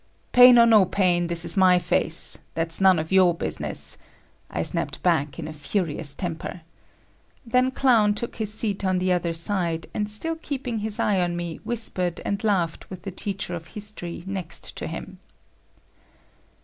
"Pain or no pain, this is my face. That's none of your business," I snapped back in a furious temper. Then Clown took his seat on the other side, and still keeping his eye on me, whispered and laughed with the teacher of history next to him.